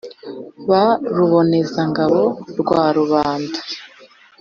ba ruboneza ngabo rwa rubanda